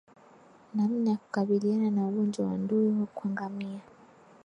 Namna ya kukabiliana na ugonjwa wa ndui kwa ngamia